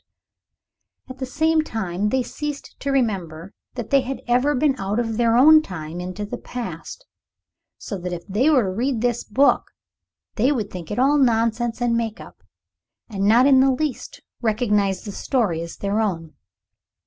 And at the same time they ceased to remember that they had ever been out of their own time into the past, so that if they were to read this book they would think it all nonsense and make up, and not in the least recognize the story as their own.